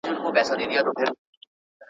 تمدنونه د یوې دایرې په څیر حرکت کوي.